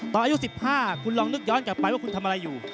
อายุ๑๕คุณลองนึกย้อนกลับไปว่าคุณทำอะไรอยู่